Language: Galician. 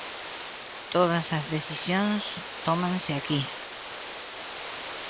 Todas as decisións tómanse aquí.